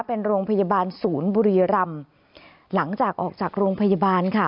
เป็นโรงพยาบาลศูนย์บุรีรำหลังจากออกจากโรงพยาบาลค่ะ